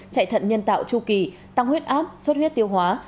chạy thận nhân tạo chu kỳ tăng huyết áp suất huyết tiêu hóa